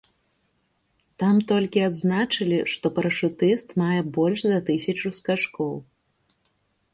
Там толькі адзначылі, што парашутыст мае больш за тысячу скачкоў.